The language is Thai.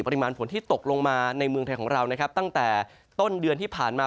ปริมาณฝนที่ตกลงมาในเมืองไทยของเรานะครับตั้งแต่ต้นเดือนที่ผ่านมา